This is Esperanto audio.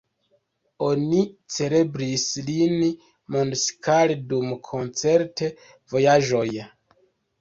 Oni celebris lin mondskale dum koncert-vojaĝoj.